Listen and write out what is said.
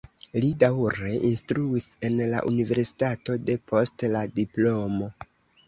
Li daŭre instruis en la universitato depost la diplomo.